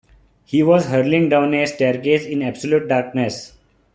He was hurling down a staircase in absolute darkness.